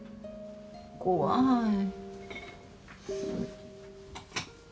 怖い。